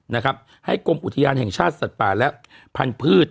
นะครับให้กรมอุทยานแห่งชาติสัตว์ป่าและพันธุ์